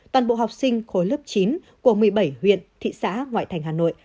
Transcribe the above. toàn bộ học sinh khối lớp chín của một mươi bảy huyện thị xã ngoại thành hà nội